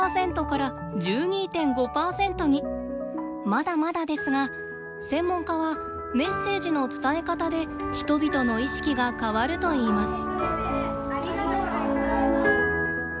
まだまだですが専門家はメッセージの伝え方で人々の意識が変わるといいます。